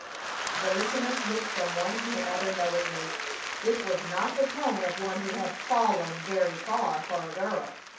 The listeners looked from one to the other knowingly. This was not the tone of one who had "fallen" very far for a girl.